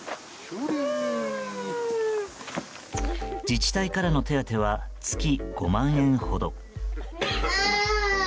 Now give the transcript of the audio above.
自治体からの手当は月５万円ほど。